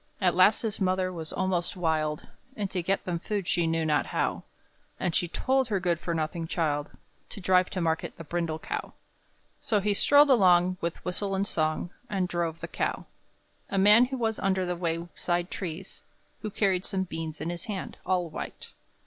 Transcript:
At last his mother was almost wild, And to get them food she knew not how; And she told her good for nothing child To drive to market the brindle cow. So he strolled along, with whistle and song, And drove the cow. A man was under the wayside trees, Who carried some beans in his hand all white.